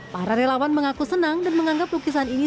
para relawan mengaku senang dan menganggap lukisan ini